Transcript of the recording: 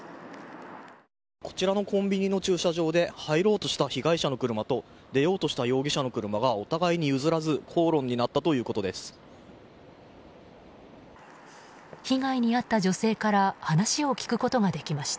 こちらのコンビニの駐車場で入ろうとした被害者の車と出ようとした容疑者の車がお互いに譲らず口論になったということです。